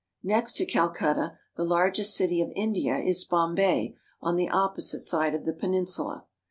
Next to Calcutta, the largest city of India is Bombay on the opposite side of the peninsula.